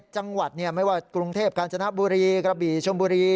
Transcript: จังหวัดไม่ว่ากรุงเทพกาญจนบุรีกระบี่ชมบุรี